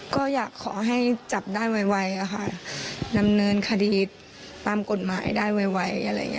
ก็อยากขอให้จับได้วัยวัยค่ะนำเนินคดีตตามกฎหมายได้วัยวัยอะไรอย่างแบบ